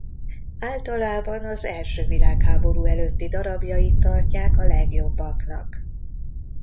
Általában az első világháború előtti darabjait tartják a legjobbaknak.